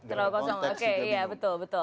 terlalu kosong oke iya betul betul